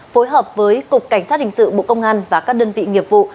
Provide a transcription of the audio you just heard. phối hợp với cục cảnh sát hình sự bộ công an và các đơn vị nghiệp vụ